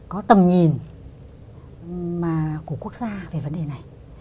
có tầm nhìn của quốc gia về vấn đề này